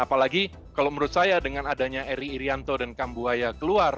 apalagi kalau menurut saya dengan adanya eri irianto dan kambuaya keluar